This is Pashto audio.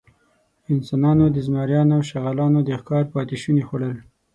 انسانانو د زمریانو او شغالانو د ښکار پاتېشوني خوړل.